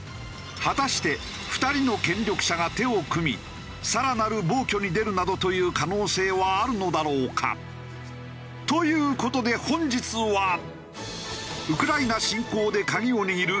果たして２人の権力者が手を組み更なる暴挙に出るなどという可能性はあるのだろうか？という事で本日は。